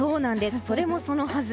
それもそのはず！